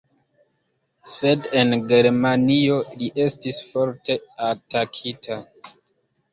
Sed en germanio li estis forte atakita.